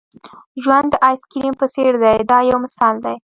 ژوند د آیس کریم په څېر دی دا یو مثال دی.